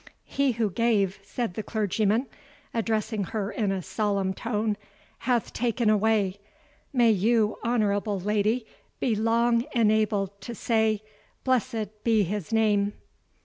"He who gave," said the clergyman, addressing her in a solemn tone, "hath taken away. May you, honourable lady, be long enabled to say, Blessed be his name!"